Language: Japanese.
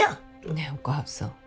ねえお母さん